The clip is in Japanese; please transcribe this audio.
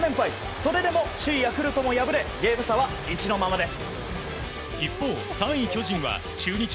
それでも首位ヤクルトも敗れゲーム差は１のままです。